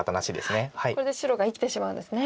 これで白が生きてしまうんですね。